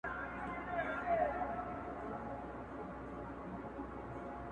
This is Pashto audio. • زه په دې خپل سركــي اوبـــه څـــښـمــه.